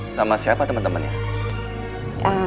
sama siapa temen temennya